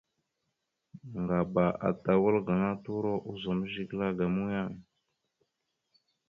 Ŋgaba ata wal gaŋa turo ozum zigəla ga muyang.